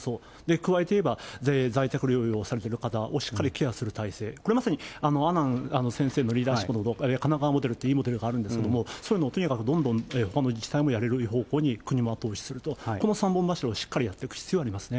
加えていえば在宅療養されている方をしっかりケアする体制、これまさに阿南先生のリーダーシップでの、神奈川モデルといういいモデルがあるんですけれども、そういうのをとにかくどんどんほかの自治体もやれる方向に国も後押しすると、この３本柱をしっかりやっていく必要がありますね。